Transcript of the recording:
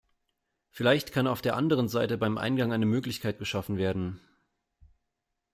Vielleicht kann auf der anderen Seite beim Eingang eine Möglichkeit geschaffen werden.